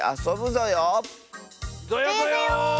ぞよぞよ。